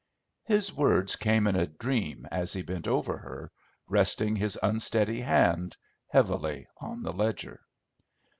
His words came in a dream as he bent over her, resting his unsteady hand heavily on the ledger.